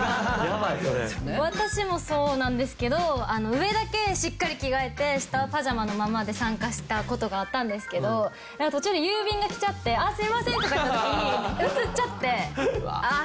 私もそうなんですけど上だけしっかり着替えて下はパジャマのままで参加した事があったんですけど途中で郵便が来ちゃってあっすみませんとかいった時に映っちゃってあっ